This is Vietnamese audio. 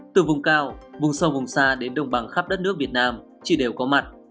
từ vùng cao vùng sâu vùng xa đến đồng bằng khắp đất nước việt nam chỉ đều có mặt